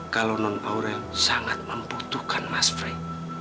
kalau nenek aurel sangat membutuhkan mas pray